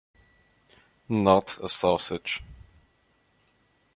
Not a sausage.